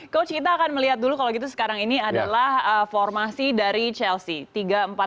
coach kita akan melihat dulu kalau gitu sekarang ini adalah formasi dari chelsea